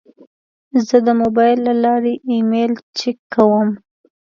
زه د موبایل له لارې ایمیل چک کوم.